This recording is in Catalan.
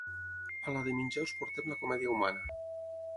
A la de menjar us portem la comèdia humana